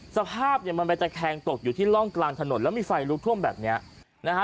สภาพเนี่ยมันไปตะแคงตกอยู่ที่ร่องกลางถนนแล้วมีไฟลุกท่วมแบบเนี้ยนะฮะ